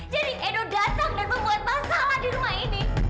jadi edo datang dan membuat masalah di rumah ini